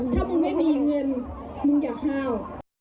ถ้ามึงไม่มีเงินมึงอย่าห้าว